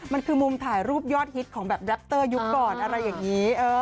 มันคือมุมถ่ายรูปยอดฮิตของแบบแรปเตอร์ยุคก่อนอะไรอย่างนี้